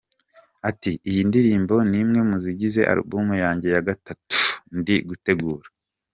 Ati “Iyi ndirimbo ni imwe mu zigize album yanjye ya gatatu ndi gutegura.